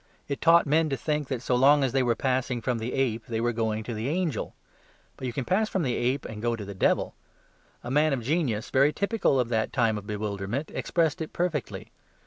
It taught men to think that so long as they were passing from the ape they were going to the angel. But you can pass from the ape and go to the devil. A man of genius, very typical of that time of bewilderment, expressed it perfectly.